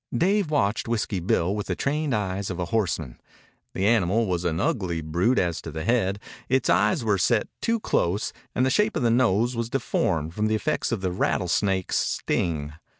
Dave watched Whiskey Bill with the trained eyes of a horseman. The animal was an ugly brute as to the head. Its eyes were set too close, and the shape of the nose was deformed from the effects of the rattlesnake's sting.